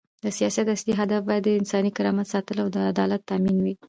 د سیاست اصلي هدف باید د انساني کرامت ساتل او د عدالت تامین وي.